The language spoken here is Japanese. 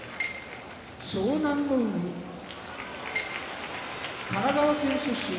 湘南乃海神奈川県出身